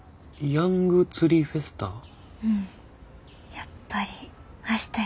やっぱり明日や。